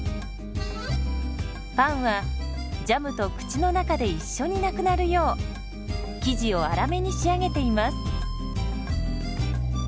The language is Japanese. パンはジャムと口の中で一緒になくなるよう生地を粗めに仕上げています。